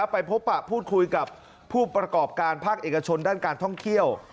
ไปพบปะพูดคุยกับผู้ประกอบการภาคเอกชนด้านการท่องเที่ยว